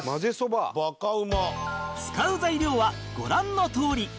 使う材料はご覧のとおり